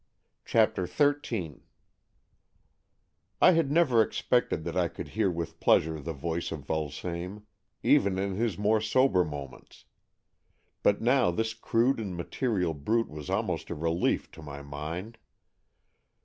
CHAPTER XIII I HAD never expected that I could hear Vvith pleasure the voice of Vulsame, even in his more sober moments. But now this crude and material brute was almost a relief to my mind.